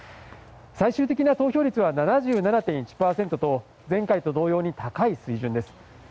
最終的な投票率は７７．１％と前回と同様に高い水準です。